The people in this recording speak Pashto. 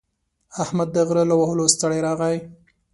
احمد د غره له وهلو ستړی راغی.